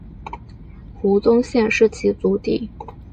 胡宗宪是其族弟。